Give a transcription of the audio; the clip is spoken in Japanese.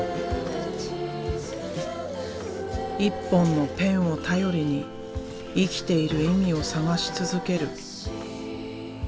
１本のペンを頼りに生きている意味を探し続ける。